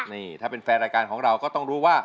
นี่ถ้าเป็นแฟนรายการของเราก็ต้องรู้ว่า